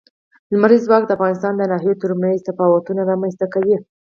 لمریز ځواک د افغانستان د ناحیو ترمنځ تفاوتونه رامنځ ته کوي.